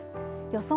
予想